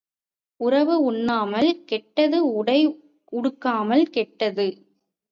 உறவு உண்ணாமல் கெட்டது உடை உடுக்காமல் கெட்டது.